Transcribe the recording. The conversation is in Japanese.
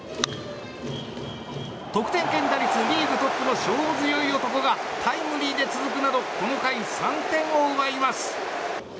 得点圏打率リーグトップの勝負強い男がタイムリーで続くなどこの回３点を奪います。